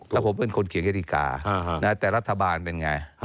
แล้วผมเป็นคนเขียนกฎิกาแต่รัฐบาลเป็นไง